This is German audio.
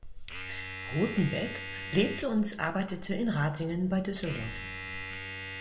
Ruthenbeck lebte und arbeitete in Ratingen bei Düsseldorf.